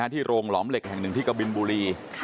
ที่โรงหลอมเหล็กแห่งหนึ่งที่กบินบุรี